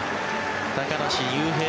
高梨雄平